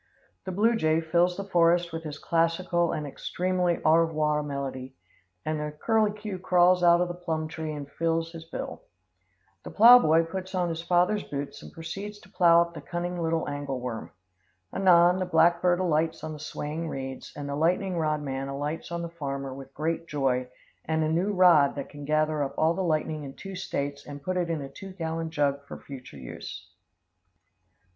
The blue jay fills the forest with his classical and extremely au revoir melody, and the curculio crawls out of the plum tree and files his bill. The plow boy puts on his father's boots and proceeds to plow up the cunning little angle worm. Anon, the black bird alights on the swaying reeds, and the lightning rod man alights on the farmer with great joy and a new rod that can gather up all the lightning in two States and put it in a two gallon jug for future use.